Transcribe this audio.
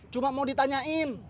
cuma mau ditanyain